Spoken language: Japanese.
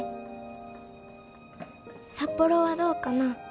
「札幌はどうかな？」